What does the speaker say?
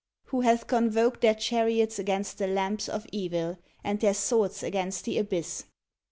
Who hath convoked their chariots against the lamps of Evil, and their swords against the abyss.